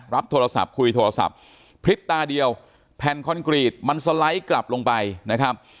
รับโทรศัพท์คุยโทรศัพท์พลิบตาเดียวแผ่นคอนกรีตมันสไลด์กลับลงไปนะครับ